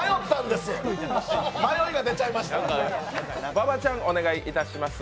馬場ちゃん、お願いいたします。